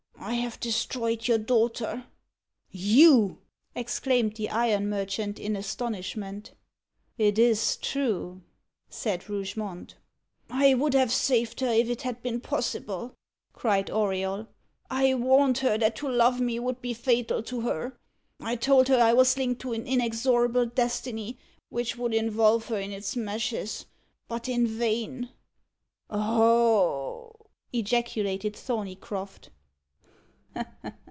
I have destroyed your daughter." "You!" exclaimed the iron merchant in astonishment. "It is true," said Rougemont. "I would have saved her if it had been possible!" cried Auriol. "I warned her that to love me would be fatal to her. I told her I was linked to an inexorable destiny, which would involve her in its meshes but in vain." "Oh!" ejaculated Thorneycroft.